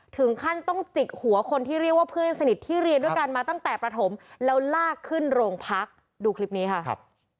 ถึงขั้นต้องจิกหัวคนที่เรียกว่าเพื่อนสนิทที่เรียนด้วยกันมาตั้งแต่ประถมแล้วลากขึ้นโรงพักดูคลิปนี้ค่ะครับ